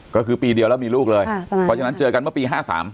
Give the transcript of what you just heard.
ก็คือปีเดียวแล้วมีลูกเลยเพราะฉะนั้นเจอกันเมื่อปี๕๓